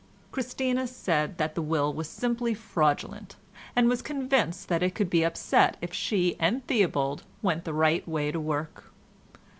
Christina said that the will was simply fraudulent, and was convinced that it could be upset if she and Theobald went the right way to work.